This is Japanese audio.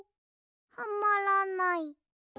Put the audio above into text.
はまらない。